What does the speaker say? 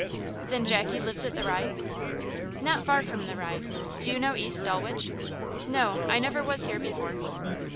"Then Jackie lives at the Rye?" "Not far from the Rye. Do you know East Dulwich?" "No, I never was here before."